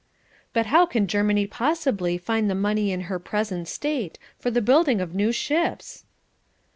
"But how can Germany possibly find the money in her present state for the building of new ships?"